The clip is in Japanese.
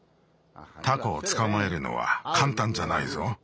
タコをつかまえるのはかんたんじゃないぞ。